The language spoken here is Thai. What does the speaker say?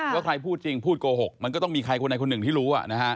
ว่าใครพูดจริงพูดโกหกมันก็ต้องมีใครคนใดคนหนึ่งที่รู้